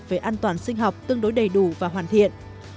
về an toàn sinh học tương đối đầy đủ và hoàn thiện